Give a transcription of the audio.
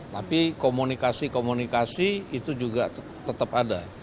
tapi komunikasi komunikasi itu juga tetap ada